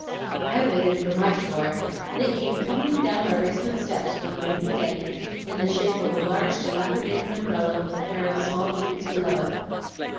"I waited for MY chore, and it came tumbling down our basement steps one rainy day in the shape of a large dilapidated umbrella with a pair of small boots below it.